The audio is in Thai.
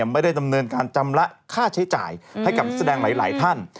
ไม่ได้ดำเนินการจำละค่าใช้จ่ายให้กับนักแสดงหลายท่าน